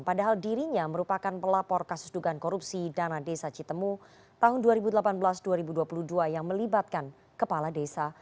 padahal dirinya merupakan pelapor kasus dugaan korupsi dana desa citemu tahun dua ribu delapan belas dua ribu dua puluh dua yang melibatkan kepala desa